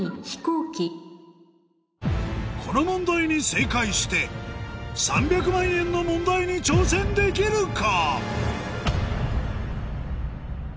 この問題に正解して３００万円の問題に挑戦できるか？